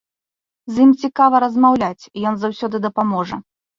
З ім цікава размаўляць, ён заўсёды дапаможа.